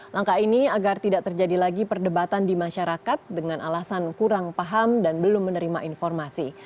langkah ini agar tidak terjadi lagi perdebatan di masyarakat dengan alasan kurang paham dan belum menerima informasi